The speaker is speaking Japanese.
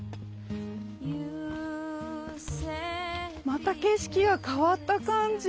また景色が変わった感じ。